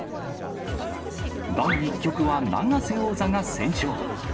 第１局は永瀬王座が先勝。